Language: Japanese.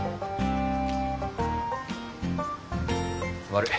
悪い。